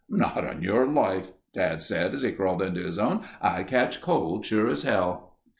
"Not on your life," Dad said as he crawled into his own. "I'd catch cold, sure as hell."